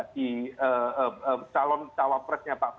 di calon tawapresnya pak prabowo tentu nama mbak puan juga tentunya akan dihitung